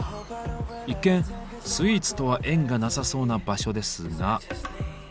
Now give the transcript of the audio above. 一見スイーツとは縁がなさそうな場所ですが。